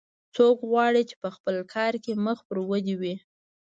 څوک غواړي چې په خپل کار کې مخ پر ودې وي